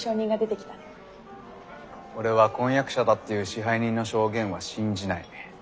俺は婚約者だっていう支配人の証言は信じない。